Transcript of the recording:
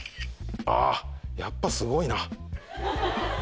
あやっぱすごいな。